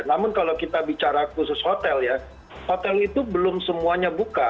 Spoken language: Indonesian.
namun kalau kita bicara khusus hotel ya hotel itu belum semuanya buka